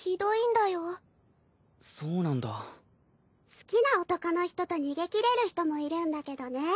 好きな男の人と逃げ切れる人もいるんだけどね。